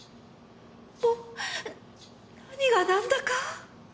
もう何がなんだか。